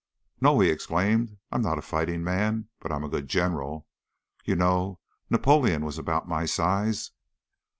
"No!" he exclaimed. "I'm not a fighting man, but I'm a good general. You know, Napoleon was about my size."